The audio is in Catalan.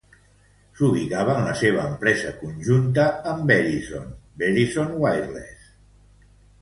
S'ubicava en la seva empresa conjunta amb Verizon, Verizon Wireless.